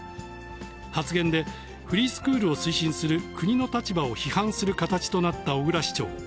発言で、フリースクールを推進する国の立場を批判する形となった小椋市長。